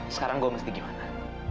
sekarang gue mesti gimana